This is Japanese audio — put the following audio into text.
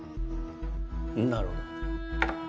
なるほど。